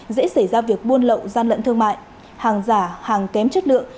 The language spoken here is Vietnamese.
dễ xảy ra việc buôn lậu gian lận thương mại hàng giả hàng kém chất lượng